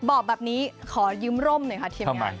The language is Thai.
บอกแบบนี้ขอยืมร่มหน่อยค่ะทีมงาน